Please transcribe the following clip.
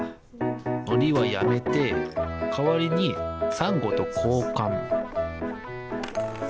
のりはやめてかわりにサンゴとこうかん。